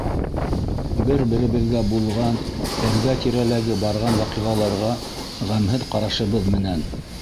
Бер-беребеҙгә булған, эргә-тирәләге барған ваҡиғаларға ғәмһеҙ ҡарашыбыҙ менән.